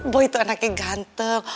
boy tuh anaknya ganteng